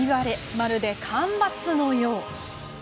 まるで干ばつのよう。